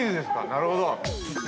なるほど。